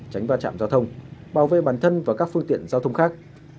tránh va chạm giao thông bảo vệ bản thân và các phương tiện giao thông khác